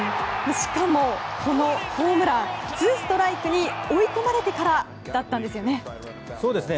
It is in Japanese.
しかもこのホームランツーストライクに追い込まれてからだったんですよね。